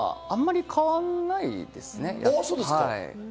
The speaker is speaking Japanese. あんまり変わらないですね。